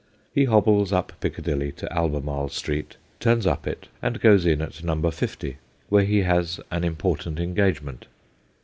He hobbles up Piccadilly to Albemarle Street, turns up it and goes in at No. 50, where he has an important engagement.